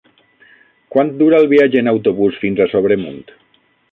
Quant dura el viatge en autobús fins a Sobremunt?